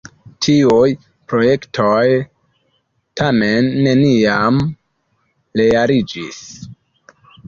Tiuj projektoj tamen neniam realiĝis.